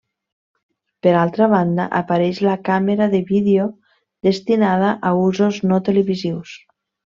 Per altra banda, apareix la Càmera de vídeo destinada a usos no televisius.